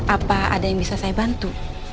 apa ada yang bisa saya bantu